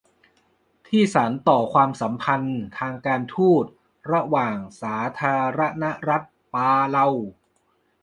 ที่สานต่อความสัมพันธ์ทางการฑูตระหว่างสาธารณรัฐปาเลา